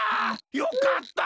よかった。